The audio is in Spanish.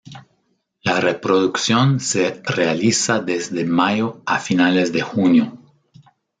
La reproducción se realiza desde mayo a finales de junio.